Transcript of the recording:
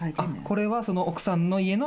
これは奥さんの家の。